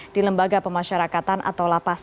di lembaga pemasyarakatan atau lapas